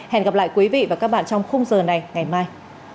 hẹn gặp lại quý vị và các bạn trong khung giờ này ngày mai